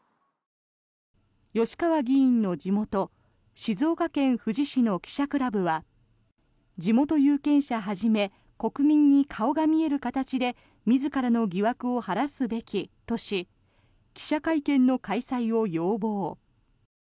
吉川議員の地元静岡県富士市の記者クラブは地元有権者はじめ国民に顔が見える形で自らの疑惑を晴らすべきとし記者会見の開催を要望。